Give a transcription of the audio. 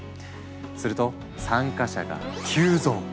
すると参加者が急増！